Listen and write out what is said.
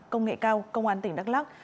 công nghệ cao công an tỉnh đắk lắc